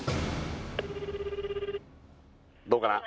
どうかな